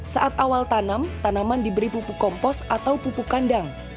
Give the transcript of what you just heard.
saat awal tanam tanaman diberi pupuk kompos atau pupuk kandang